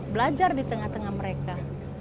belajar di tengah tengah mereka